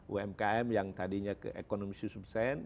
umkm yang tadinya ekonomi subsisten